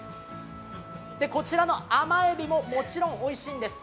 こちらの甘エビももちろんおいしいんです。